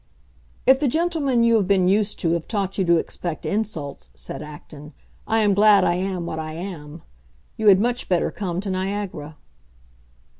"If the gentlemen you have been used to have taught you to expect insults," said Acton, "I am glad I am what I am. You had much better come to Niagara."